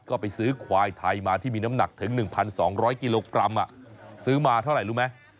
ก็ไปซื้อควายไทยมาที่มีน้ำหนักถึง๑๒๐๐กิโลกรัมซื้อมาเท่าไหร่รู้ไหม